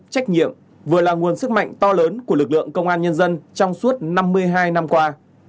trách nhiệm vừa là nguồn sức mạnh to lớn của lực lượng công an nhân dân trong suốt năm mươi hai năm qua